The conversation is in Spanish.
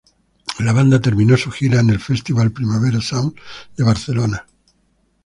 La banda terminó su gira en el festival Primavera Sound de Barcelona.